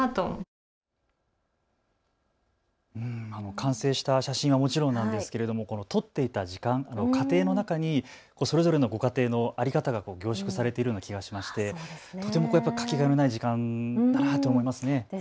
完成した写真はもちろんなんですけど、撮っていた時間、過程の中にそれぞれのご家庭の在り方が凝縮されているような気がしまして、とてもかけがえのない時間だなと思いますね。